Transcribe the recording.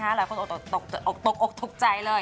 หลายคนตกอกตกใจเลย